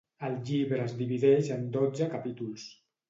El llibre es divideix en dotze capítols.